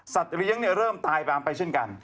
สัตว์เลี้ยงเริ่มตายไปอามไปเช่นกัน